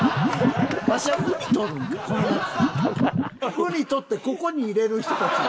ウニ取ってここに入れる人たちやん。